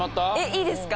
いいですか？